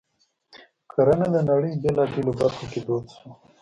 کرنه د نړۍ په بېلابېلو برخو کې دود شوه.